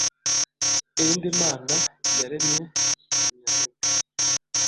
Iyindi Mana yaremye inyamibwa